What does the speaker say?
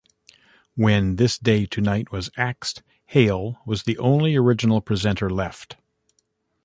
When This Day Tonight was axed, Hale was the only original presenter left.